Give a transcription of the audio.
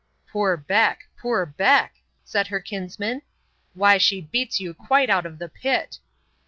—Poor Beck! poor Beck! said her kinsman; why she beats you quite out of the pit!